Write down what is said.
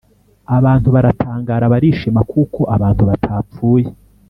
Abantu baratangara barishima kuko abantu batapfuye